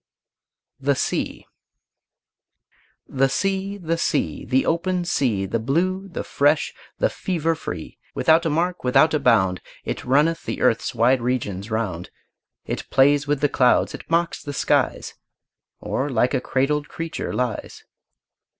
THE SEA The sea, the sea, the open sea, The blue, the fresh, the fever free; Without a mark, without a bound, It runneth the earth's wide regions round; It plays with the clouds, it mocks the skies, Or like a cradled creature lies.